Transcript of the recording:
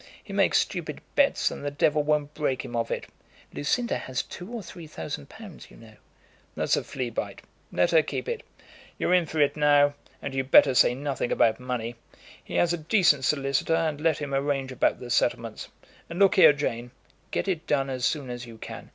He makes stupid bets, and the devil won't break him of it." "Lucinda has two or three thousand pounds, you know." "That's a flea bite. Let her keep it. You're in for it now, and you'd better say nothing about money. He has a decent solicitor, and let him arrange about the settlements. And look here, Jane; get it done as soon as you can."